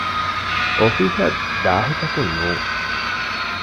އޮފީހަށް ދާހިތަކުން ނޫން